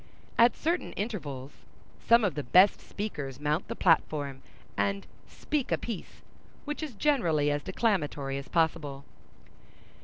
At certain intervals, some of the best speakers mount the platform, and "speak a piece," which is generally as declamatory as possible.